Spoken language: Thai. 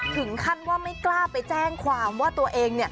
ถึงขั้นว่าไม่กล้าไปแจ้งความว่าตัวเอง